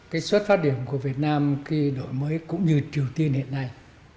cái xuất phát điểm của việt nam khi đổi mới cũng như triều tiên hiện nay